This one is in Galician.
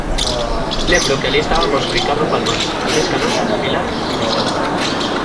Lembro que alí estabamos Ricardo Palmás, Inés Canosa, Pilar e mais eu.